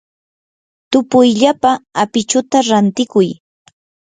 tupuyllapa apichuta rantikuy.